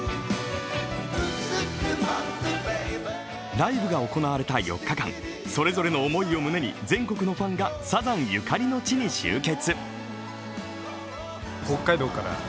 ライブが行われた４日間、それぞれの思いを胸に、全国のファンがサザンゆかりの地に集結。